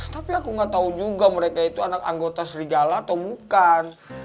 tapi aku nggak tahu juga mereka itu anak anggota serigala atau bukan